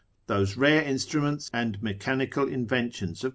Those rare instruments and mechanical inventions of Jac.